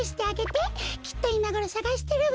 きっといまごろさがしてるわ。